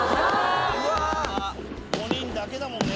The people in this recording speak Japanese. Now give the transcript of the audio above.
５人だけだもんね。